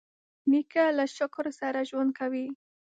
نیکه له شکر سره ژوند کوي.